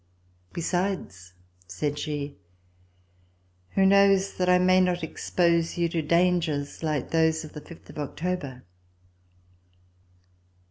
"Besides," said she, "who knows that I may not expose you to dangers like those of the fifth of October.?"